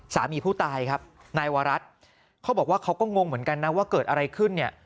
สามีผู้ตายครับนายวรัฐเขาบอกว่าเขาก็งงเหมือนกันนะว่าเกิดอะไรขึ้นเนี่ย